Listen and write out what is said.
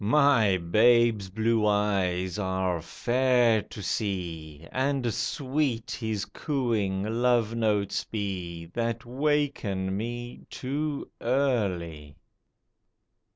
My babe's blue eyes are fair to see ; And sweet his cooing love notes be That waken me too early